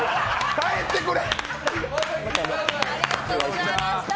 帰ってくれ！